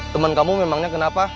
temen kamu memangnya kenapa